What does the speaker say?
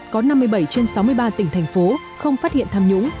có năm mươi bảy trên sáu mươi ba tỉnh thành phố không phát hiện tham nhũng